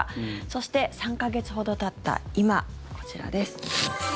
そして、３か月ほどたった今こちらです。